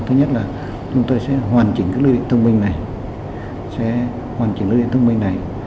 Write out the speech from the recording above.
thứ nhất là chúng tôi sẽ hoàn chỉnh lưu điện thông minh này